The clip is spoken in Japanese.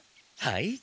はい。